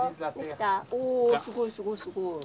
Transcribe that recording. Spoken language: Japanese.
おすごいすごいすごい。